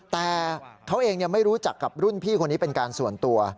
แต่เขาเองไม่รู้จักกับรุ่นพี่คนนี้เป็นการส่วนตัว